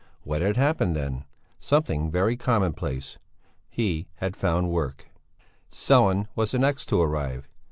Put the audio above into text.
What had happened then? Something very commonplace: he had found work. Sellén was the next to arrive.